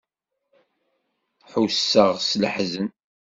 Ḥusseɣ s leḥzen.